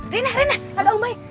rena rena ada ombai